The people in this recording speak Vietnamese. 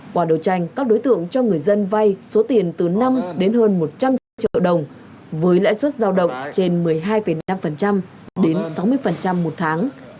qua đấu tranh các đối tượng cho người dân vay số tiền từ năm đến hơn một trăm linh triệu đồng với lãi suất giao động trên một mươi hai năm đến sáu mươi một tháng